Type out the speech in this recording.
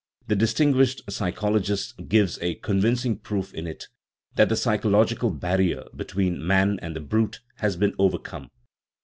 The distinguished psychologist gives a convincing proof in it " that the psychological barrier between man and the brute has been overcome."